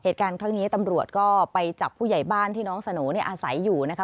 เหตุการณ์ครั้งนี้ตำรวจก็ไปจับผู้ใหญ่บ้านที่น้องสโหน่อาศัยอยู่นะคะ